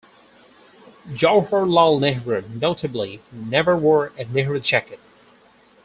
Jawaharlal Nehru, notably, never wore a Nehru jacket.